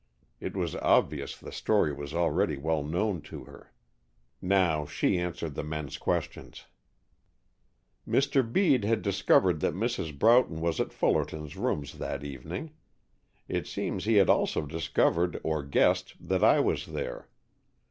It was obvious the story was already well known to her. Now she answered the men's questions. "Mr. Bede had discovered that Mrs. Broughton was at Fullerton's rooms that evening. It seems he had also discovered or guessed that I was there.